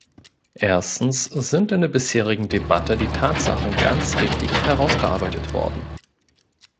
Erstens sind in der bisherigen Debatte die Tatsachen ganz richtig herausgearbeitet worden.